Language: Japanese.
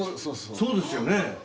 そうですよね。